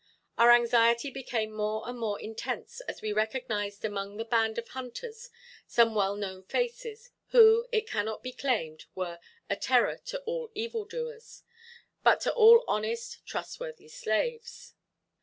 Our anxiety became more and more intense as we recognized among the band of hunters some well known faces, who, it cannot be claimed, were "a terror to all evil doers," but to all honest, trustworthy slaves.